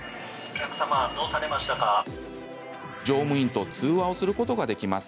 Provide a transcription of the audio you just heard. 乗務員と通話をすることができます。